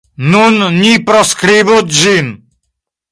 Nun ni proskribu ĝin.